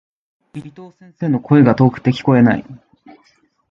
伊藤先生の、声が遠くて聞こえない。